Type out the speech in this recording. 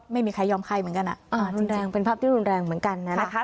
ไม่มีใครยอมใครเหมือนกันรุนแรงเป็นภาพที่รุนแรงเหมือนกันนะนะคะ